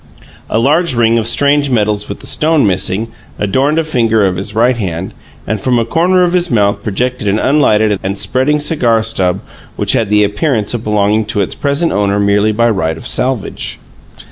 A large ring of strange metals with the stone missing, adorned a finger of his right hand, and from a corner of his mouth projected an unlighted and spreading cigar stub which had the appearance of belonging to its present owner merely by right of salvage.